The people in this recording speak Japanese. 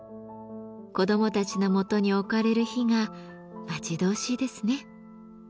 子どもたちのもとに置かれる日が待ち遠しいですね。